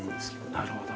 なるほど。